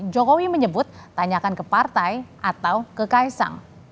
jokowi menyebut tanyakan ke partai atau ke kaisang